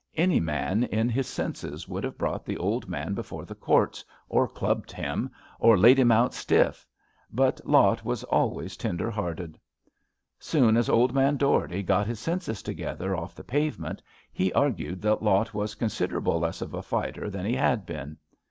Any man in his senses would have brought the old man before the courts, or clubbed him, or laid him out stiff. But Lot was always tender hearted. Soon as old man Dougherty got his senses together off the pavement, he argued that Lot was considerable less of a fighter than he had been.